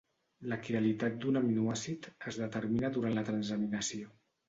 La quiralitat d'un aminoàcid es determina durant la transaminació.